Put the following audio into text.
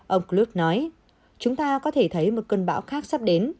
ông klut nói chúng ta có thể thấy một cơn bão khác sắp đến